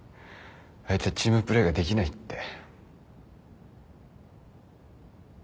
「あいつはチームプレーができない」って。